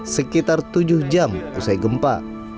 sekitar tujuh jam usai gempa